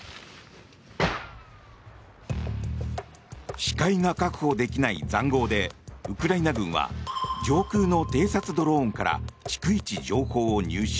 視界が確保できない塹壕でウクライナ軍は上空の偵察ドローンから逐一情報を入手。